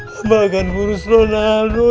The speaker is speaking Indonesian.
hamba akan murus lonano